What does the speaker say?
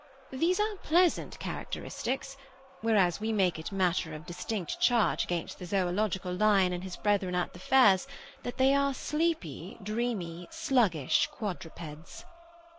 These are pleasant characteristics, whereas we make it matter of distinct charge against the Zoological lion and his brethren at the fairs, that they are sleepy, dreamy, sluggish quadrupeds.